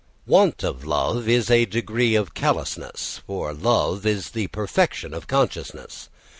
Want of love is a degree of callousness; for love is the perfection of consciousness.